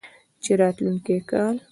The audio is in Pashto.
چې راتلونکی کال